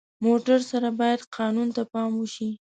موټر سره باید قانون ته پام وشي.